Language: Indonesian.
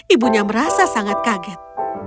ibunya merasa sangat kaget